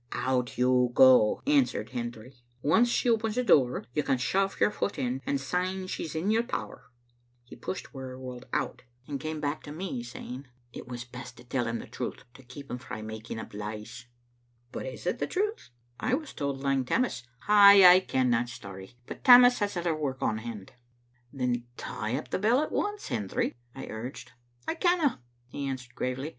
"Out you go," answered Hendry. "Once she opens the door, you can shove your foot in, and syne she's in your power." He pushed Wearyworld out, and came Digitized by VjOOQ IC 9» Vbc X(ttle Ainidten back to me, saying, " It was best to tell him the truth, to keep him frae making up lies." But is it the truth? I was told Lang Tammas "Ay, I ken that story ; but Tammas has other work on hand." "Then tie up the bell at once, Hendry," I urged. " I canna," he answered gravely.